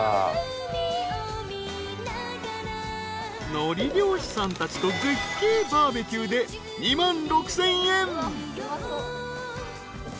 ［のり漁師さんたちと絶景バーベキューで２万６，０００円］